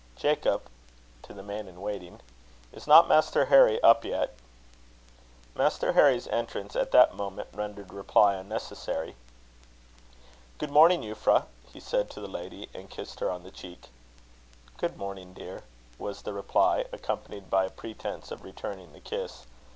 Jacob," (to the man in waiting), "is not Master Harry up yet?" Master Harry's entrance at that moment rendered reply unnecessary. "Good morning, Euphra," he said to the lady, and kissed her on the cheek. "Good morning, dear," was the reply, accompanied by a pretence of returning the kiss.